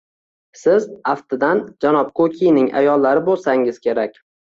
Siz, aftidan, janob Kukining ayollari bo`lsangiz kerak